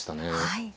はい。